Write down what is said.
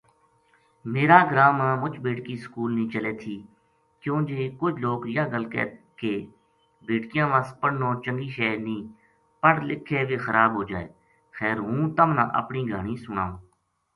میرا گراں ما مُچ بیٹکی سکول نیہہ چلے تھی کیوں جے کُج لوک یاہ گَل کہہ کہ ” بیٹکیاں وس پڑھنو چنگی شے نیہہ پڑھ لکھ کے ویہ خراب ہو جائے “ خیر ہوں تم نا اپنی گہانی سناؤں